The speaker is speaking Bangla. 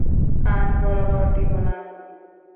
কান বরাবর দিব না-কি!